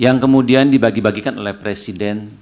yang kemudian dibagi bagikan oleh presiden